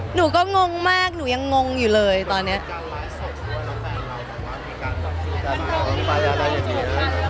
หนูก็งงมากหนูยังงงอยู่เลยตอนเนี้ย